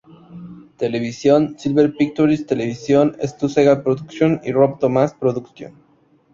Television, Silver Pictures Television, Stu Segall Productions, y Rob Thomas Productions.